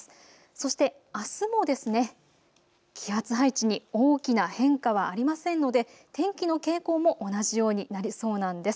そしてあすも気圧配置に大きな変化はありませんので天気の傾向も同じようになりそうなんです。